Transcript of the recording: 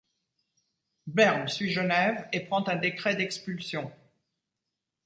Berne suit Genève et prend un décret d'expulsion.